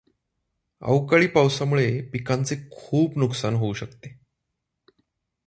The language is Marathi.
अवकाळी पावसामुळे पिकांचे खूप नुकसान होऊ शकते.